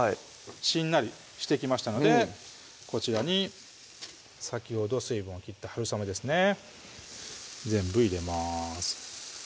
しんなりしてきましたのでこちらに先ほど水分を切ったはるさめですね全部入れます